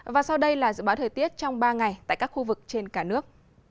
và sau đây là dự báo thời tiết trong ba ngày tại các khu vực trên cả nước